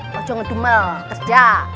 kocong ngedumel kerja